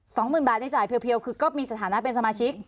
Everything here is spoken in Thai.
สองหมื่นบาทในจ่ายเพียวคือก็มีสถานะเป็นสมาชิก